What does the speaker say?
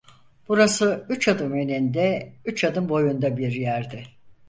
Burası üç adım eninde, üç adım boyunda bir yerdi.